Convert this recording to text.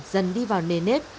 dần đi vào nền nếp